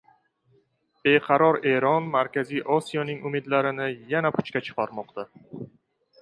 Beqaror Eron Markaziy Osiyoning umidlarini yana puchga chiqarmoqda